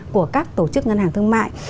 của các tổ chức ngân hàng thương mại